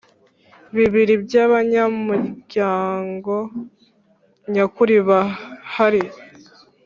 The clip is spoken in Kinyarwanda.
bibiri by abanyamuryango nyakuri bahari